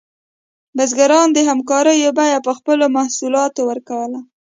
بزګران د همکارۍ بیه په خپلو محصولاتو ورکوله.